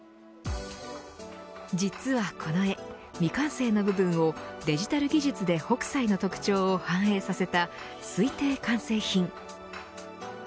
実はこの絵未完成の部分をデジタル技術で北斎の特徴を反映させた推定完成品。